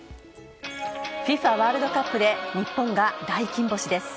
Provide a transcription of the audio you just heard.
ＦＩＦＡワールドカップで日本が大金星です。